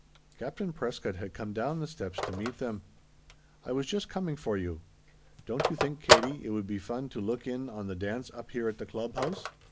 Captain Prescott had come down the steps to meet them. "I was just coming for you. Don't you think, Katie, it would be fun to look in on the dance up here at the club house?"